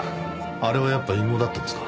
あれはやっぱ隠語だったんですか。